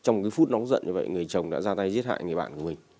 nó dẫn như vậy người chồng đã ra tay giết hại người bạn của mình